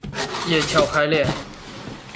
叶鞘开裂。